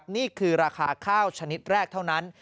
นี่คือราคาข้าวชนิดแรกเท่านั้น